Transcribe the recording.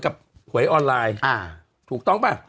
ก็ดูซิว่า